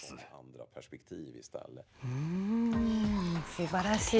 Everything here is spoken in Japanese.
すばらしい。